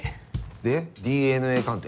でＤＮＡ鑑定？